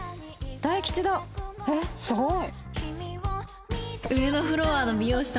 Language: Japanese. えっすごい！